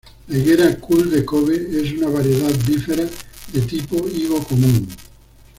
La higuera 'Cul De Cove' es una variedad "bífera" de tipo higo común.